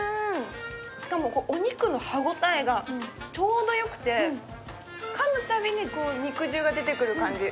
しかもお肉の歯応えがちょうどよくてかむたびに肉汁が出てくる感じ。